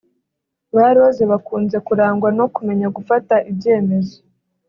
Ba Rose bakunze kurangwa no kumenya gufata ibyemezo